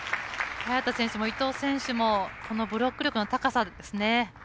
早田選手も伊藤選手もブロックの力の高さですね。